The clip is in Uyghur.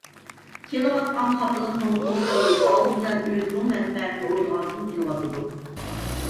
كېلىۋاتقان خاپىلىقنىڭ تولىسى ئالدى بىلەن ئۆزىنىڭ مەنپەئەتىنى ئويلىغاندىن كېلىۋاتىدۇ.